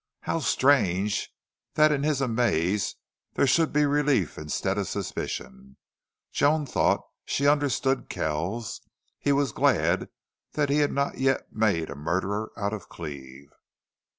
How strange that in his amaze there should be relief instead of suspicion! Joan thought she understood Kells. He was glad that he had not yet made a murderer out of Cleve.